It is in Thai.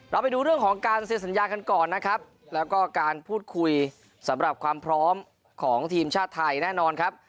ไปดูเรื่องของการเซ็นสัญญากันก่อนนะครับแล้วก็การพูดคุยสำหรับความพร้อมของทีมชาติไทยแน่นอนครับ